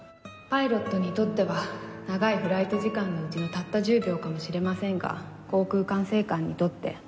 パイロットにとっては長いフライト時間のうちのたった１０秒かもしれませんが航空管制官にとってロスになります。